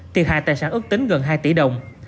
thiệt hại tài sản ước tính gần hai tỷ đồng